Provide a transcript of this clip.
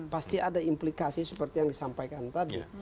pasti ada implikasi seperti yang disampaikan tadi